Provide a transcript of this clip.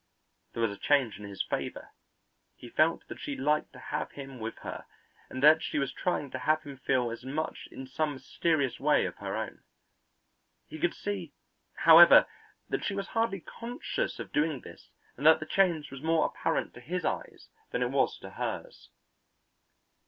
There was a change in his favour; he felt that she liked to have him with her and that she was trying to have him feel as much in some mysterious way of her own. He could see, however, that she was hardly conscious of doing this and that the change was more apparent to his eyes than it was to hers.